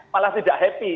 malah tidak happy